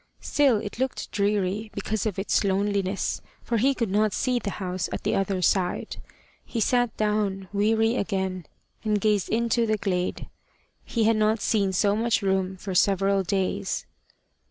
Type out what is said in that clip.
Still it looked dreary because of its loneliness, for he could not see the house at the other side. He sat down, weary again, and gazed into the glade. He had not seen so much room for several days.